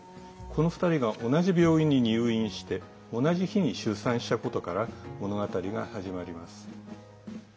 この２人が同じ病院に入院して同じ日に出産したことから物語が始まります。